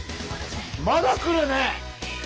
まだ来るね！